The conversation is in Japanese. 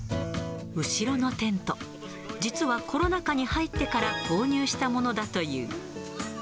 後ろのテント、実はコロナ禍に入ってから購入したものだという。